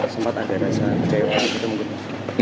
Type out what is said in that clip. sempat ada rasa jayokan kita mungkin